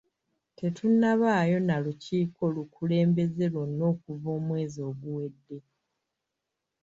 Tetunnabaayo na lukiiko lukulembeze lwonna okuva omwezi oguwedde.